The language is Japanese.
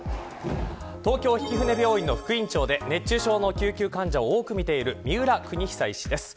東京曳舟病院の副院長で熱中症の救急患者を多く見ている三浦邦久医師です。